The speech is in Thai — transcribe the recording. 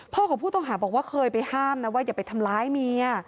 ของผู้ต้องหาบอกว่าเคยไปห้ามนะว่าอย่าไปทำร้ายเมีย